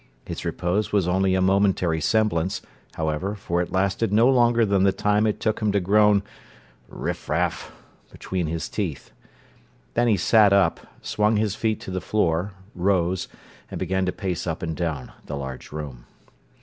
His repose was only a momentary semblance, however, for it lasted no longer than the time it took him to groan "Riffraff!" between his teeth. Then he sat up, swung his feet to the floor, rose, and began to pace up and down the large room.